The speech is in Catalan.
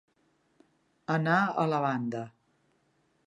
Anar a la banda.